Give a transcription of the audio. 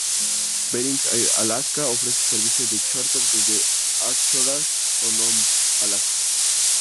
Bering Air Alaska ofrece servicio de charter desde Anchorage o Nome, Alaska.